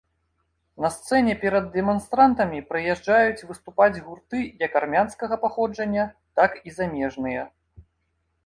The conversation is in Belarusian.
На сцэне перад дэманстрантамі прыязджаюць выступаць гурты як армянскага паходжання, так і замежныя.